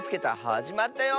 はじまったよ。